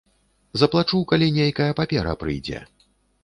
Заплачу, калі нейкая папера прыйдзе.